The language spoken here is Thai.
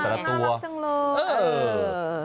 ห้าม่าลักจังเลย